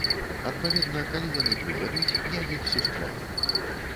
Адпаведна, калі яны прыедуць, я іх сустрэну.